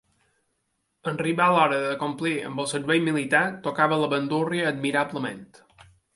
En arribar l'hora de complir amb el servei militar, tocava la bandúrria admirablement.